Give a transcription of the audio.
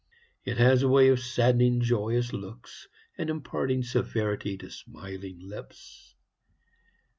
It has a way of saddening joyous looks, and imparting severity to smiling lips.